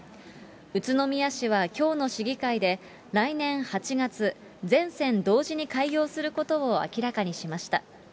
宇都宮市はきょうの市議会で、来年８月、全線同時に開業することを明らかにしました。